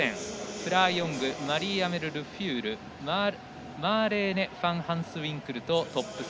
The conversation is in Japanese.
フラー・ヨングマリーアメリ・ルフュールマーレーネ・ファンハンスウィンクルとトップ３。